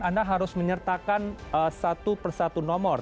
anda harus menyertakan satu persatu nomor